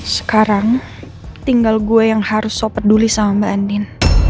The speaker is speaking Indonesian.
sekarang tinggal gue yang harus so peduli sama mbak andin